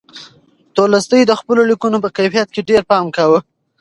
تولستوی د خپلو لیکنو په کیفیت کې ډېر پام کاوه.